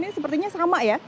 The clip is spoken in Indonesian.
ini sepertinya sama ya